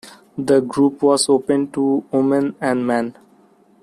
The group was open to women and men.